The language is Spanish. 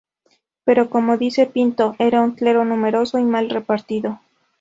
Pero como dice Pinto, era un clero numeroso y mal repartido.